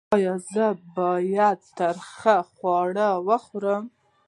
ایا زه باید تریخ خواړه وخورم؟